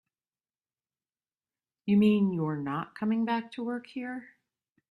You mean you're not coming back to work here?